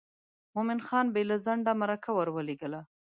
مومن خان بې له ځنډه مرکه ور ولېږله.